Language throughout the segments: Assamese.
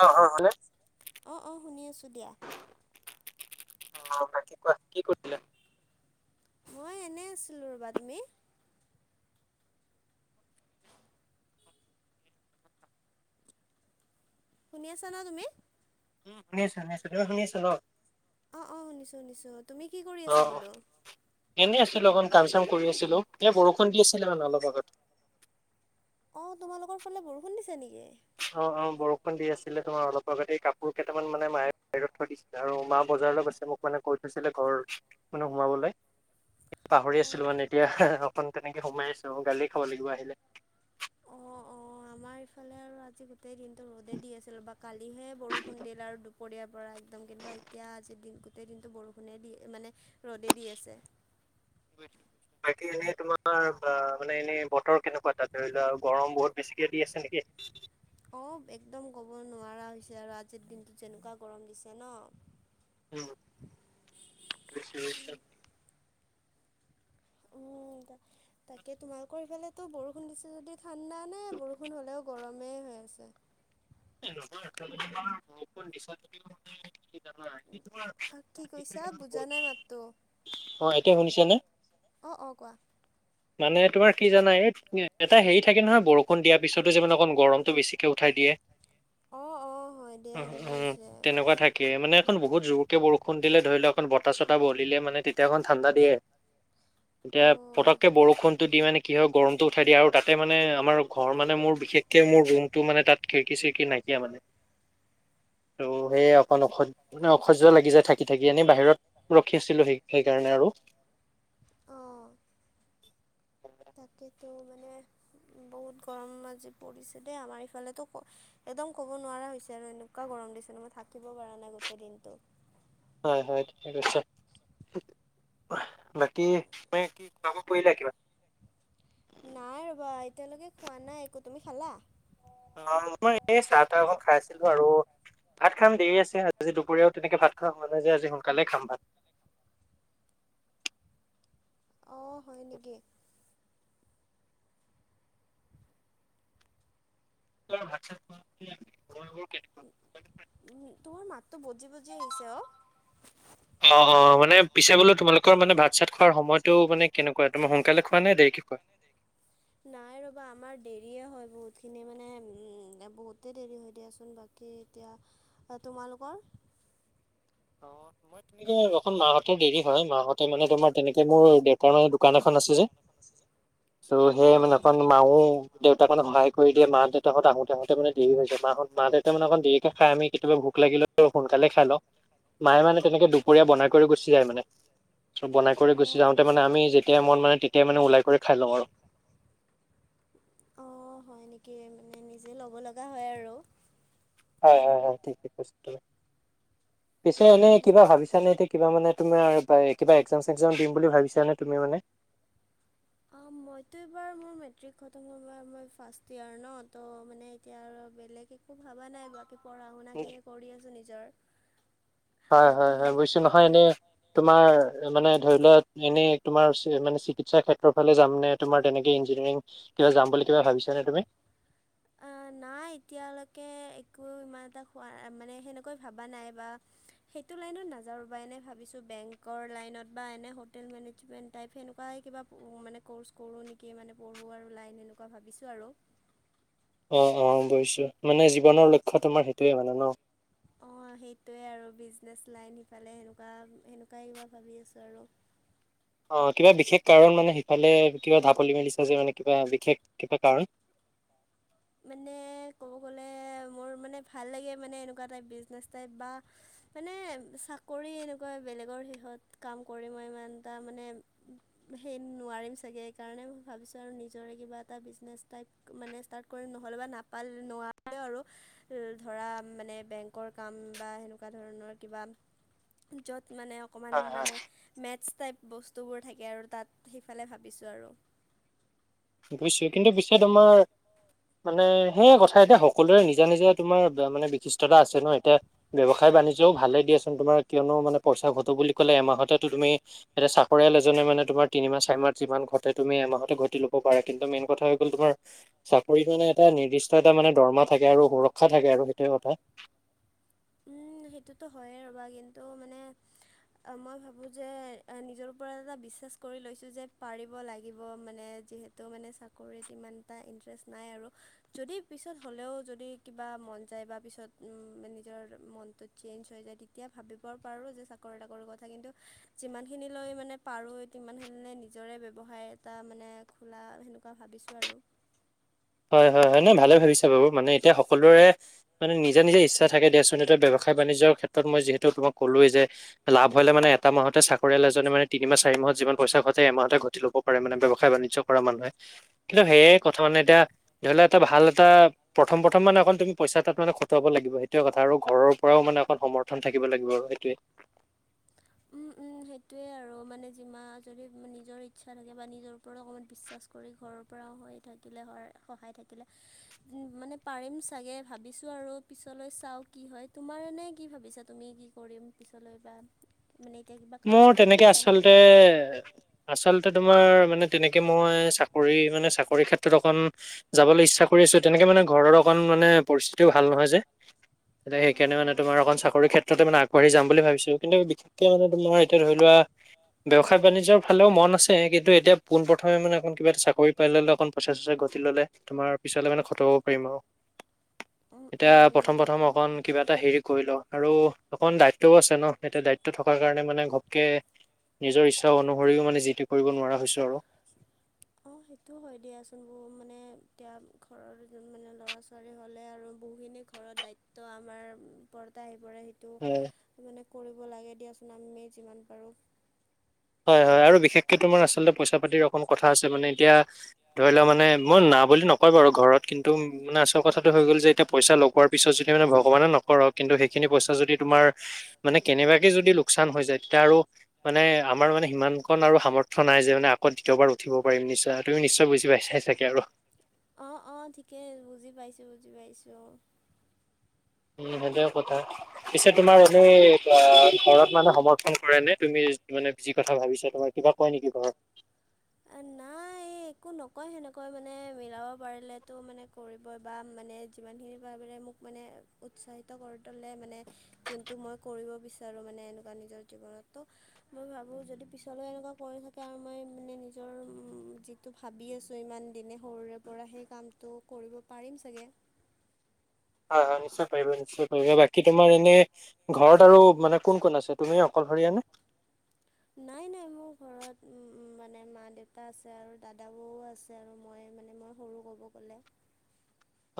অ', অ', হলে অ', অ', শুনি আছোঁ দিয়া অ বাকি কোৱা কি [unintelligible] মই এনেই আছিলোঁ ৰ'বা তুমি শুনি আছা ন তুমি উম শুনি আছো শুনি আছো তুমি শুনি আছা ন অ', অ', শুনিছোঁ শুনিছোঁ তুমি কি কৰি আছা বোলো এনে আছিলো অকণ কাম চাম কৰি আছিলো এ বৰষুণ দি আছিলে মানে অলপ আগত অ', তোমালোকৰ ফালে বৰষুণ দিছে নিকি অ', অ', বৰষুণ দি আছিলে তোমাৰ অলপ আগতে কাপোৰ কেইটামান মানে মায়ে বাহিৰত থৈ দিছিলে আৰু মা বজাৰলৈ গৈছে মোক মানে কৈ থৈছিলে ঘৰ মানে সোমাবলে পাহৰি অঁ আছিলো মানে এতিয়া অকণ তেনেকে সোমাই আছো গালিয়ে খাব লাগিব আহিলে অ আমাৰ ইফালে আৰু আজি গোটেই দিনটো ৰ'দে দি আছিল ৰবা কালিহে বৰষুণ দিলে আৰু দুপ দুপৰিয়াৰ পৰা একদম কিন্তু এতিয়া আজিৰ দিন গোটেই দিনটো বৰষুণে দিয়ে মানে ৰ'দেই দি আছে ঐ বাকী এনেই তোমাৰ মানে এনেই বতৰ কেনেকুৱা তাত ধৰি লোৱা গৰম বহুত বেছিকে দি আছে নিকি অ একদম ক'ব নোৱাৰা হৈছে আৰু আজিৰ দিনটোত যেনুকা গৰম দিছে ন উম বুজিছো বুজিছো উম তা তাকে তোমালোকৰ ইফালেতো বৰষুণ দিছে যদি ঠাণ্ডা নে বৰষুণ হ'লেও গৰমেই হৈ আছে [unintelligible] আহ কি কৈছা বুজা নাই মাতটো অ', এতিয়া শুনিছে নে অঁ অঁ কোৱা মানে তোমাৰ কি জানাই এই এটা হেৰি থাকে নহয় বৰষুণ দিয়াৰ পিছতো যে মানে অকণ গৰমটো বেছিকে উঠাই দিয়ে অ অ হয় দিয়া সেনকা হৈছে তাকে মানে এখন বহুত জোৰকে বৰষুণ দিলে ধৰি লোৱা এক বতাহ চতাহ বলিলে মানে তেতিয়া অকন ঠাণ্ডা দিয়ে এতিয়া অ', পতককে বৰষুণটো দি মানে কি হয় গৰমটো উঠাই দিয়ে আৰু তাতে মানে আমাৰ ঘৰ মানে মোৰ বিশেষকে মোৰ ৰুমটো মানে তাত খিৰিকী চিৰিকি নাইকিয়া মানে ত' সেই অকন অসহ মানে অসহ্য লাগি যায় থাক থাকি থাকি এনে বাহিৰত ৰখিছিলোহি সেইকাৰণে আৰু অ [unintelligible] তাকেতো মানে বহুত গৰম আজি পৰিছে দেই আমাৰ ইফালেতো ক একদম ক'ব নোৱাৰা হৈছে আৰু এনেকুৱা গৰম দিছে মই থাকিব পৰা নাই গোটেই দিনটো হয়, হয়, ঠিকে কৈছে। বাকী তুমি খোৱা বোৱা কৰিলা কিবা? নাই ৰ'বা, এতিয়ালৈকে খোৱা নাই একো, তুমি খালা? অ', মই এই, চাহ তাহ অকন খাইছিলো আৰু ভাত খাম দেৰি আছে, আজি দুপৰীয়াও তেনেকে ভাত খাৱা হোৱা নাই যে আজি সোনকালে খাম ভাত। অ', হয় নেকি? ম ভাত চাত [unintelligible] উম, তোৰ মাততো বজি বজি আহিছে অ' অ', অ', মানে পিছে বোলো, তোমালোকৰ মানে ভাত চাত খোৱাৰ সময়তটো মানে কেনেক কয় তুমি, সোনকালে খোৱা নে দেৰি কে খোৱা? নাই ৰ'বা, আমাৰ দেৰিয়ে হয়, বহুতখিনি মানে উম, বহুতে দেৰি হয়, দিয়াচোন ব কি এতিয়া অ', তোমালোকৰ [inaudible] [unintelligible] এখন মাহতৰ দেৰি হয় মাহঁতে মানে তোমাৰ তেনেকৈ মোৰ দেউতাৰৰ দোকান এখন আছে যে। আৰু অঁ সেই অঁ মানে [unintelligible] মাও দেউতাক মানে সহায় কৰি দিয়ে, মা-দেউতাহত আহোতে আহোতে মানে দেৰি হৈছে, মাহত মা-দেউতা মানে অকণ দেৰিকে খাই, আমি কেতিয়াবা ভোক লাগিলে, [unintelligible] সোনকালে খাই লওঁ। মায়ে মানে তেনেকে দুপৰীয়া বনাই কৰি গুচি যায় মানে। বনাই কৰি গুচি অঁ যাওঁতে, মানে আমি যেতিয়াই মন মানে তেতিয়াই মানে ওলাই কৰি খাই লওঁ আৰু অ', হয় নেকি, মানে নিজে ল'ব লগা হয় আৰু হয়, হয়, হয়, ঠিকেই কৈছা‌ তুমি। পিছে, এনে কিবা ভাবিছা নে, এতিয়া কিবা মানে তুমাৰ বাই, কিবা এক্সাম চেক্সাম দিম বুলি ভাবিছানে, তুমি মানে মইতো এইবাৰ মোৰ মেট্ৰিক খতম হল বা মই ফাৰ্ষ্ট ইয়াৰ ন ত' মানে এতিয়া আৰু বেলেগ একো ভাবা নাই, বাকী পঢ়া শুনা খিনি কৰি আছো নিজৰ। হয়, হয়, বাকী হয়, বুজিছোঁ নহয় এতিয়া এনেই তোমাৰ, মানে ধৰি লোৱা, এনেই তোমাৰ চি মানে, চিকিৎসা ক্ষেত্ৰৰ ফালে যাম নে তোমাৰ তেনেকে, ইঞ্জিনিয়াৰিং কিবা যাম বুলি, কিবা ভাবিছা নে তুমি? আ, নাই এতিয়ালৈকে একো ইমান এটা খোৱা, মানে সেনেকৈ ভবা নাই বা সেইটো লাইনত নাযাওঁ ৰ, এনেই ভাবিছো বেংকৰ লাইনত বা এনে হোটেল মেনেজমেন্ট টাইপ সেনেকুৱাই কিবা, ও মানে ক'ৰ্চ কৰোঁ নেকি, মানে পঢ়োঁ আৰু লাইন এনেকুৱা ভাবিছোঁ আৰু অ', অ', বুজিছো, মানে জীৱনৰ লক্ষ্য, তোমাৰ সেইটোয়ে মানে ন। অ', সেইটোৱে আৰু বিজনেছ লাইন, সিফালে সেনেকুৱা, সেনেকুৱাই কিবা ভাবি আছোঁ আৰু অ', কিবা বিশেষ কাৰণ, মানে সিফালে কিবা ঢাপলি মেলিছা যে মানে, কিবা বিশেষ কিবা কাৰণ মানে, ক'ব গ'লে, মোৰ মানে ভাল লাগে, মানে এনেকুৱা টাইপ বিজনেছ টাইপ বা মানে চাকৰি, এনেকুৱা বেলেগৰ শেহত কাম কৰি মই ইমানটা মানে উম। সেই নোৱাৰিম চাগে, সেইকাৰণেই ভাবিছোঁ আৰু নিজৰে কিবা এটা বিজনেছ টাইপ মানে ষ্টাৰ্ট কৰিম নহ'লে বা নাপাল নোৱাৰে আৰু ল ধৰা, মানে বেংকৰ কাম বা সেনেকুৱা ধৰণৰ কিবা য'ত মানে অ' অকণমান হয় হয়। মানে, মেটছ টাইপ বস্তুবোৰ থাকে আৰু তাত সেইফালে ভাবিছোঁ আৰু বুইছো কিন্তু পিছে, তোমাৰ মানে সেয়া কথা, এতিয়া সকলোৰে নিজা, নিজা তোমাৰ বে মানে বিশিষ্টতা আছে ন, এতিয়া ব্যৱসায় বাণিজ্যিও ভালেই দিয়াচোন তোমাৰ কিয়নো মানে, পইচা ঘটো বুলি ক'লে, এমাহতেতো তুমি এতিয়া চাকৰিয়াল এজনে, মানে তোমাৰ তিনিমাহ চাৰিমাহত যিমান ঘটে, তুমি এমাহতে ঘটি ল হ'ব পাৰে কিন্তু মেইন কথা হৈ গ'ল তোমাৰ। চাকৰিটো মানে এটা নিৰ্দিষ্ট এটা মানে দৰহমা থাকে আৰু সুৰক্ষা থাকে আৰু সেইটোৱে কথা। উম সেইটোতো হয়েই ৰ'বা কিন্তু মানে। মই ভাবোঁ যে নিজৰ ওপৰত এটা বিশ্বাস কৰি লৈছোঁ যে পাৰিব লাগিব মানে যিহে। তো মানে চাকৰিত ইমান এটা ইণ্টাৰেষ্ট নাই আৰু। যদি পিছত হ'লেও যদি কিবা মন যায় বা পিছত উম মানে। নিজৰ মনটো চেঞ্জ হৈ যায় তেতিয়া ভাবিব পাৰোঁ যে চাকৰি তাকৰিৰ কথা কিন্তু। যিমানখিনি লৈ মানে পাৰোঁ সিমানখিনি লৈ নিজৰে ব্যৱসায় এটা মানে। খোলা সেনেকুৱা ভাবিছোঁ আৰু। হয় হয় হয় নাই ভালে ভাবিছা বাৰু মানে এতিয়া সকলোৰে। মানে নিজ নিজ ইচ্ছা থাকে দিয়াচোন ব্যৱসায় বাণিজৰ ক্ষে। তত মই যিহেতু তোমাক কলোৱেই যে লাভ হলে মানে এটা মাহতে চাক। পৰিয়াল এজ মানে তি ম চাৰি মাহত যি পইচা ঘটে এমাহতে ঘটি ল'ব। কৰে মানে ব্যৱসায় বাণিজ্য কৰা মানুহে কিন্তু সেয়ে কথা মানে এতিয়া ধৰি লোৱা এটা ভাল এটা। প্ৰথম প্ৰথম মানে তুমি তাত মানে খটাব লাগ সেইোৱে কথা আৰু ঘৰৰ পৰাও মানে অক সমৰ। থন থাকিব লাগিব আৰু সেইটোৱে। উম। সেইটোৱে আৰু মানে যিমান যদি নিজৰ ইচ্ছা থাকে বা নিজৰ ওপৰত অকণমান বিশ্বাস। কৰি ঘৰৰ পৰাও হৈ থাকিলে হ সহায় থাকিলে। [unintelligible] ওম মানে পাৰিম চাগে ভাবিছোঁ আৰু পিছলৈ চাওঁ কি হয় তোমাৰ এনে কি ভাবিছা তুমি কি কৰিম। পিছলৈ বা। মানে এতিয়া কিবা। কাম মোৰ চাম কৰি তেনেতে আছা নেকি? আচলতে। আচলতে তোমাৰ মানে তেনেকে মই চাকৰি মানে চাকৰি ক্ষেত্ৰত অকণ। যাবলৈ ইচ্ছা কৰি আছো তেনেকে মানে ঘৰৰ অকণ মানে পৰিস্থিতিও ভাল নহয় যে। এ সেই অঁ কাৰনে অঁ তোমাৰ লগত চাকৰি ক্ষেত্ৰতে মানে আগবাঢ়ি যাম বুলি ভাবিছো। কিন্ত বিশেষকৈ মানে তোমাৰ এতিয়া ধৰি লোৱা। ব্যৱসায় বাণিজ্্যৰ ফালেও মন আছে কিন্তু এতিয়া পোন প্ৰ্ৰথমে মানে অকণ কিবা এটা চা। কৰিৰি পাই ললে অকণ পইচাছ চচ ঘটি ল'লে তোমাৰ পিছে মানে খটাব পাৰিম আও। উম, এতিয়া উম, প্ৰথম -প্ৰথম- তাকেইতো। অকন কিবা। এটা হেৰি কৰি ল আৰু অকখন দায়িত্বও আছে ন এতিয়া দায়িত্ব থকাৰ। মানে ঘপকে নিজৰ ইচ্ছা অনুসৰিও মানে জিটো কৰিব নোৱাৰা হৈছো আৰু। অ সেইটো হয় দিয়াচোন বহ মানে এতিয়া ঘৰৰ এ মানে ল'ৰা ছোৱালী হ'লে আৰু বহুখিনি। ঘৰত দায়িত্ব আমাৰ ওপৰতে আহি পৰে। টো হয় মানে কৰিব লাগে দিয়াচোন আমি যিমান পাৰোঁ। হয় -হয়- আৰু বিশেষকে তোমাৰ আচলতে পইচা পাতিৰ অকণ কথা আছে মানে এতিয়া। ধৰি লোৱা মানে মই না বুলি নকয় বাৰু ঘৰত কিন্তু। মানে আচল কথাটো হৈ গ'ল যে এতিয়া পইচা লগোৱাৰ পিছত যদি মানে ভগৱানে নকৰক কিন্তু সেইখিনি পইচ যদি তোমাৰ। মানে কেনেবাকে যদি লোকচান হৈ যায় তেতিয়া আৰু মানে। আমাৰ মানে সিমান কণ আৰু সামৰ্থয় নাই যে মানে আগত দ্বিতীয়াৰ উঠিব পাৰম নিশ্চয় আৰু তুমি নিশ্চয় বুজি পাই চাই চাগে আৰু। অঁ- অঁ -ঠিকেই বুজি পাইছোঁ বুজি পাইছোঁ। উম সেইটোয়ও কথা পিছে তোমাৰ ভাবে ঘৰত মানে সমৰ। কৰে নে তুমি মানে যি কথা ভাবিছা তোমাৰ কিবা কয় নেকি ঘৰত। [inaudible] নাই। এই একো নকয় সেনেকৈ মানে মিলাব পাৰিলেতো মানে কৰিবই বা মানে যিমানখিনি পাৰে মোক। মানে উৎসাহিত কৰি তোলে মানে যোনটো মই কৰিব বিচাৰো মানে এনেকুৱা নিজৰ জীৱন তো মই ভাবো যদি পিছলৈ এনেকুৱা কৰি থাকে আৰু মই মানে নি নিজৰ যিটো ভাবি আছোঁ ইমান দিনে সৰুৰে পৰা সেই কামটো কৰিব পাৰিম চাগে। হয়-হয় নিশ্চয় পাৰিবা, নিশ্চয় পাৰিবা। বাকী তোমাৰ এনে ঘৰত আৰু মানে কোন কোন আছে? তুমি অকলশৰীয়া নে? নাই নাই মোৰ ঘৰত উম মানে মা দেউতা আছে আৰু দাদা বৌও আছে। আৰু মই মানে মই সৰু ক'ব গ'লে।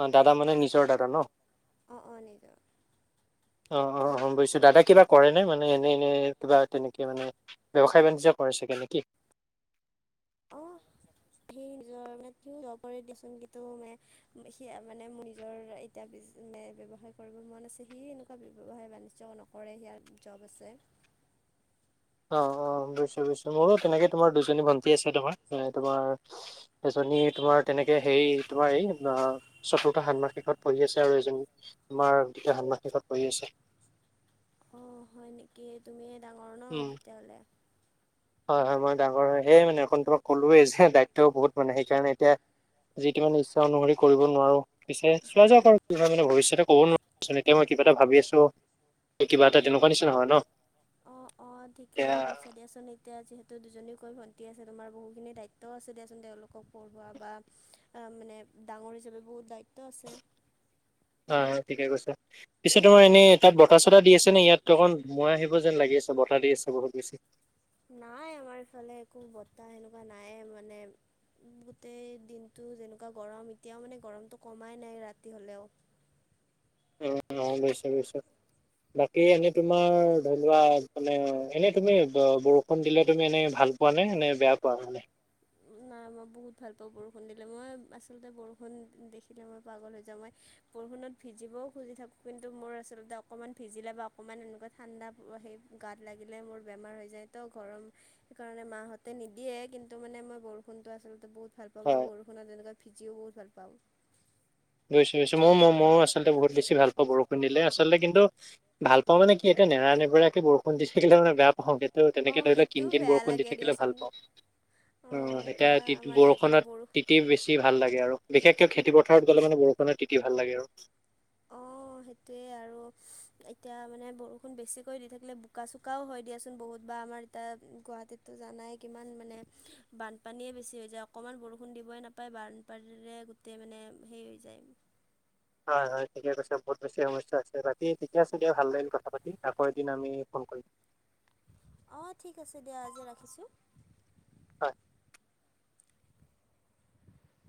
অ দাদা মানে নিজৰ দাদা ন? অ অ নিজৰ। অ-অ-অ গম বাকী পাইছো। দাদা কিবা কৰে নে মানে এনে এনে কিবা তেনেকে মানে ব্যৱসায় বাণিজ্য কৰে চাগে নেকি? [inaudible] সি নিজৰ মানে [unintelligible] কৰে দিয়াচোন কিন্তু মানে সি মানে মোৰ নিজৰ এতিয়া ব্যৱসায় কৰিবলৈ মন আছে সি এনেকুৱা ব্যৱসায় বাণিজ্য নকৰে সিয়াৰ জব আছে। অ অ বুজিছো-বুজিছো মোৰো তেনেকে তোমাৰ দুজনী ভণ্টি আছে তোমাৰ মানে তোমাৰ এজনী তোমাৰ তেনেকে হেৰি তোমাৰ এই চতুৰ্থ ষাত্মশিকত পঢ়ি আছে আৰু এজন আমাৰ দ্বিতীয় ষান্মাশিকত পঢ়ি আছে। অ হয় নেকি তুমিয়ে ডাঙৰ ন উম তেতিয়াহ'লে? হয় হয় মই ডাঙৰ হয়। সেই মানে অকন তোমাক ক'লোৱেই যে দায়িত্বও বহুত মানে সেইকাৰণে এতিয়া যি টি মানে ইচ্ছা অনুসৰি কৰিব নোৱাৰো। পিছে চোৱা যাওক আৰু কি হয় মানে ভৱিষ্যতে ক'ব নোৱাৰোচোন এতিয়া মই কিবা এটা ভাবি আছো কিবা এটা তেনেকুৱা নিচিনা হয় ন? অ অ ঠিকে এতিয়া কৈছা দিয়াচোন এতিয়া যিহেতু দুজনীকৈ ভণ্টী আছে তোমাৰ বহুখিনি দায়িত্ব আছে দিয়াচোন তেওঁলোকক পঢ়োৱা বা আ মানে ডাঙৰ হিচাপে বহুত দায়িত্ব আছে। হয় হয় ঠিকে কৈছে। পিছে তোমাৰ এনেই তাত বতাহ-চতাহ দি আছে নে? ইয়াত অকন মই আহিব যেন লাগি আছে বতাহ দি আছে বহুত বেছি। নাই আমাৰ ইফালে একো বতাহ সেনেকুৱা নাই মানে গোটেই দিনটো যেনেকুৱা গৰম এতিয়াও মানে গৰমটো কমাই নাই ৰাতি হ'লেও। অ অ লৈছো লৈছো। বাকী এনে তোমাৰ ধৰি লোৱা মানে এনে তুমি বৰষুণ দিলে তুমি এনে ভাল পোৱা নে? নে বেয়া পোৱা তুমি? নাই মই বহুত ভাল পাওঁ বৰষুণ দিলে। মই আচলতে বৰষুণ দেখিলে মই পাগল হৈ যাওঁ মই বৰষুণত ভিজিবও খুজি থাকোঁ, কিন্তু মোৰ আচলতে অকণমান ভিজিলে বা অকণমান এনেকুৱা ঠাণ্ডা সেই গাত লাগিলে মোৰ বেমাৰ হৈ যায় তো ঘৰম সেইকাৰণে মাহঁতে নিদিয়ে কিন্তু ত মানে মই বৰষুণো আচলতে বহুত ভাল পাওঁ বা হয় বৰষুণত এনেকুৱা ভিজিও বহুত ভাল পাওঁ। বুজিছো বুজিছো ম-ম-মইও আচলতে বহুত বেছি ভাল পাওঁ বৰষুণ দিলে আচলতে কিন্তু ভাল পাওঁ মানে কি ইতিয়া নেৰা নেপেৰাকে বৰষুণ দিছিলে মানে বেয়া পাওঁ গে। ত তেনেকে অঁ ধৰি লও কিন সেইটোও কিন বেয়া বৰষুণ দি লাগে থাকিলে ভাল দিয়াচোন পাওঁ। অ অঁ এতিয়া তি আমাৰ ইয়াতে বৰষুণত বৰষুণ তি তি বেছ ভাল লাগে আৰু। বিশেষকে খেতিপথাৰত গ'লে মানে বৰষুণে তিতি ভাল লাগে আৰু। [inaudible] অ সেইটোৱেই আৰু এতিয়া মানে বৰষুণ বেছিকৈ দি থাকিলে বোকা-চোকাও হয় দিয়াচোন বহুত বা আমাৰ ইটা গুৱাহাটীততো জানাই কিমান মানে বানপানীয়েই বেছি হৈ যায়, অকণমান বৰষুণ দিবই নাপায় পায়। বানপানীৰে গোটেই মানে সেই হৈ যায়। হয়, হয়, ঠিকে কৈছে বহুত বেছি সমস্যা আছে, বাকী ঠিকে আছে দিয়ক ভাল লাগিল কথা পাতি, আকৌ এদিন আমি ফোন কৰিম। অ', ঠিক আছে দিয়া আজি ৰাখিছোঁ। হয়।